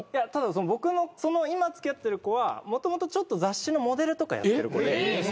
僕の今付き合ってる子はもともとちょっと雑誌のモデルとかやってる子で。